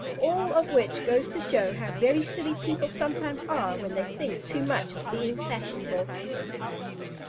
All of which goes to show how very silly people sometimes are when they think too much of being fashionable.